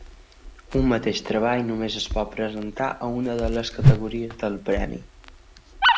Un mateix treball només es pot presentar a una de les categories del Premi.